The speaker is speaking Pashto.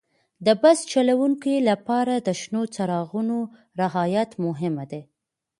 د بس چلوونکي لپاره د شنو څراغونو رعایت مهم دی.